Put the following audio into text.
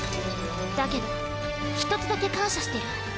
だけど一つだけ感謝してる。